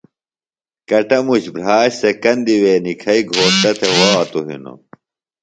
کٹموش بھراش سےۡ کندہ وے نِکھئیۡ گھوݜٹہ تھےۡ وھاتوۡ ہنوۡ